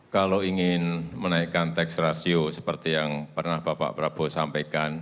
kalau ingin menaikkan tax ratio seperti yang pernah bapak prabowo sampaikan